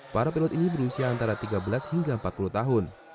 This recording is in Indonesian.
para pilot ini berusia antara tiga belas hingga empat puluh tahun